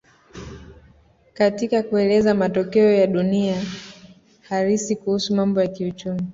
Katika kueleza matokeo ya dunia halisi kuhusu mambo ya kiuchumi